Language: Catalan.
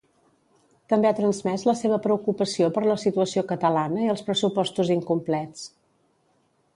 També ha transmès la seva preocupació per la situació catalana i els pressupostos incomplets.